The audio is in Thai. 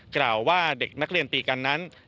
กล่าวว่าเด็กนักเรียนตีกันนั้น